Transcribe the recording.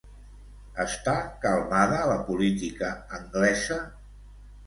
Està calmada la política anglesa?